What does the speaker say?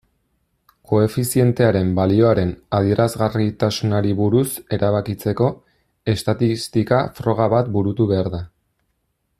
Koefizientearen balioaren adierazgarritasunari buruz erabakitzeko, estatistika-froga bat burutu behar da.